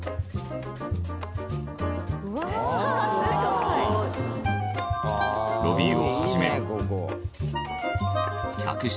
「うわー！すごい！」ロビーをはじめ客室や。